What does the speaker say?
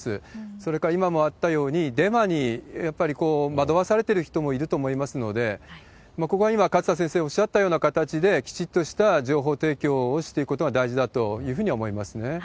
それから今もあったように、デマに、やっぱり惑わされてる人もいると思いますので、ここは今、勝田先生おっしゃったような形で、きちっとした情報提供をしていくことが大事だというふうには思いますね。